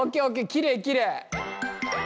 きれいきれい。